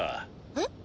えっ？